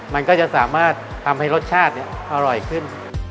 มันก็จะสามารถทำให้รสชาติอร่อยขึ้น